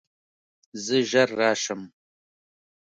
زه ژر راشم.